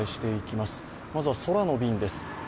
まずは空の便です。